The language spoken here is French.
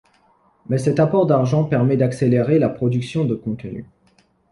Mais cet apport d'argent permet d'accélérer la production de contenus.